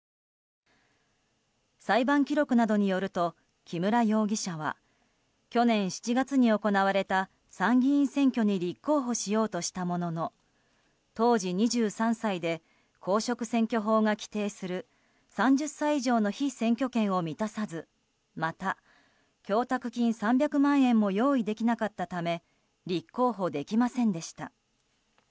裁判記録などによると木村容疑者は去年７月に行われた参議院選挙に立候補しようとしたものの当時、２３歳で公職選挙法が規定する３０歳以上の被選挙権を満たさずまた供託金３００万円も用意できなかったため立候補できませんでした。